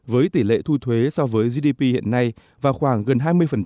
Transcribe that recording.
với tỷ lệ thu thuế so với gdp hiện nay vào khoảng gần hai mươi